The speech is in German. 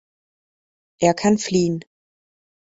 Er kann fliehen.